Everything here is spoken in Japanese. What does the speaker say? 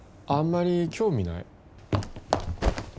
あんまり興味ない。